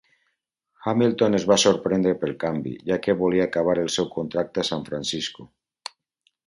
Hamilton es va sorprendre pel canvi, ja que volia acabar el seu contracte a San Francisco.